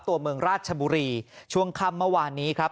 ตัวเมืองราชบุรีช่วงค่ำเมื่อวานนี้ครับ